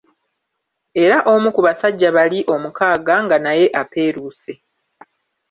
Era omu ku basajja bali omukaaga nga naye apeeruuse.